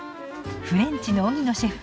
フレンチの荻野シェフ